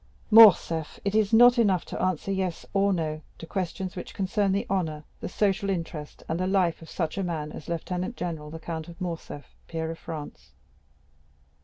'" "Morcerf, it is not enough to answer 'yes' or 'no' to questions which concern the honor, the social interest, and the life of such a man as Lieutenant général the Count of Morcerf, peer of France."